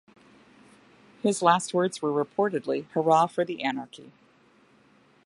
His last words were reportedly Hurrah for anarchy!